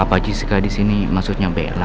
apa jessica disini maksudnya bella